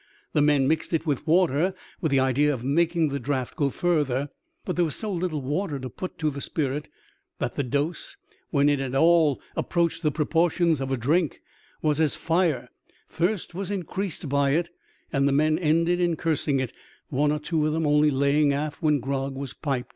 The men mixed it with water with the idea of makifag the draught go further ; but there was so little water to put to the spirit that the dose, when it at all approached the proportions of a drink, was as fire; thirst was increased by it, and the men ended in cursing it, one or two of them only laying aft when grog was "piped."